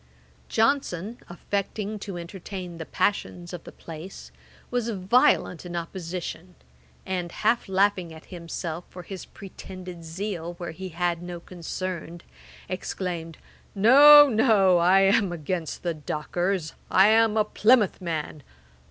Johnson, affecting to entertain the passions of the place, was violent in opposition; and, half laughing at himself for his pretended zeal where he had no concern, exclaimed, 'No, no! I am against the dockers; I am a Plymouth man.